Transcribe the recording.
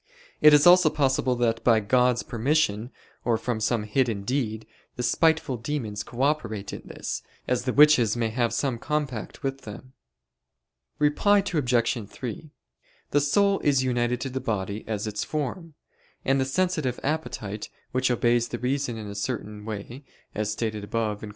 It is also possible that by God's permission, or from some hidden deed, the spiteful demons co operate in this, as the witches may have some compact with them. Reply Obj. 3: The soul is united to the body as its form; and the sensitive appetite, which obeys the reason in a certain way, as stated above (Q.